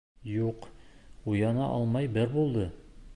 Юҡ, уяна алмай бер булды.